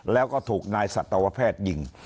แล้วก็ถูกนายสัตวแพทย์ยิง